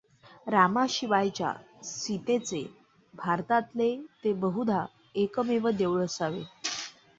रामाशिवायच्या सीतेचे भारतातले ते बहुधा एकमेव देऊळ असावे.